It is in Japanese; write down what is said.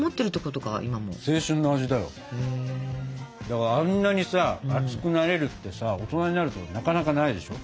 だからあんなにさ熱くなれるってさ大人になるとなかなかないでしょ。